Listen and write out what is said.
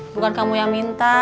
bukan kamu yang minta